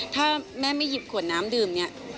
ถ้าแม่ไม่หยิบขวดน้ำดื่มเนี่ย